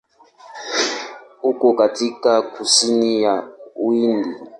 Uko katika kusini ya Uhindi.